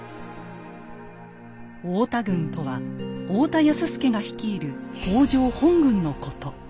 「太田軍」とは太田康資が率いる北条本軍のこと。